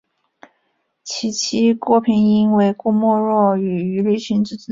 其妻郭平英为郭沫若与于立群之女。